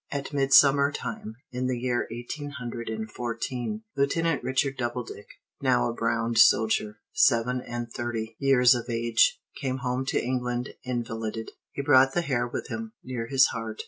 At midsummer time, in the year eighteen hundred and fourteen, Lieutenant Richard Doubledick, now a browned soldier, seven and thirty years of age, came home to England invalided. He brought the hair with him, near his heart.